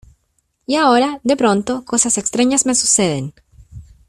Y ahora, de pronto , cosas extrañas me suceden